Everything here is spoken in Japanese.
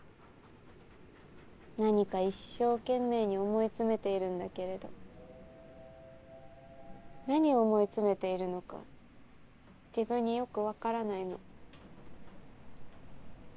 何か一生懸命に思い詰めているんだけれど何を思い詰めているのか自分によく分からないの。